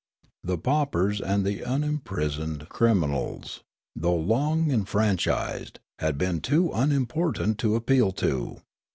The paupers and the unimprisoned criminals, though long enfranchised, had been too unimportant to appeal to.